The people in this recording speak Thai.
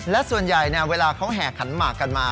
และส่วนใหญ่เวลาเขาแห่ขันหมากกันมา